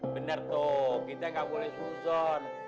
bener tuh kita gak boleh susun